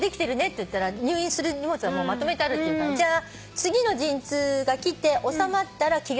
って言ったら入院する荷物はまとめてあるって言うからじゃあ次の陣痛がきておさまったら着替えなさいって。